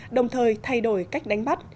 đồng thời thay đổi cách đánh bắt